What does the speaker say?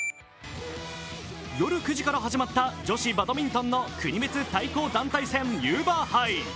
夜９時から始まった女子バドミントンの国別対抗団体戦ユーバー杯。